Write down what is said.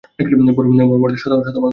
Bore model শতভাগ নির্ভুল ছিলোনা।